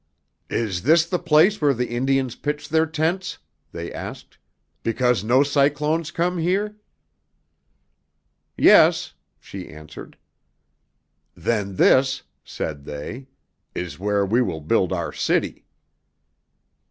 "Is this the place where the Indians pitched their tents?" they asked, "because no cyclones come here?" "Yes," she answered. "Then this," said they, "is where we will build our city."